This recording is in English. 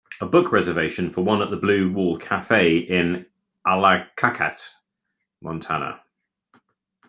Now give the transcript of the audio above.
Book a reservation for one at the Blue Wall Cafe in Allakaket, Montana